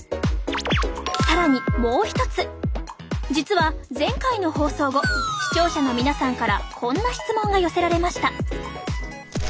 実は前回の放送後視聴者の皆さんからこんな質問が寄せられました。